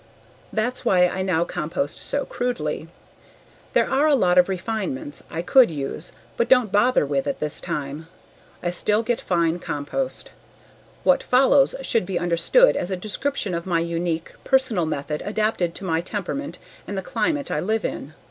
That's why I now compost so crudely. There are a lot of refinements I could use but don't bother with at this time. I still get fine compost. What follows should be understood as a description of my unique, personal method adapted to my temperament and the climate I live in.